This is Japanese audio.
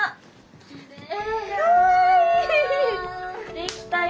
できたよ。